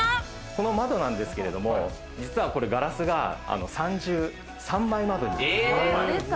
この窓なんですけれども、実はこれガラスが３重、３枚窓になっています。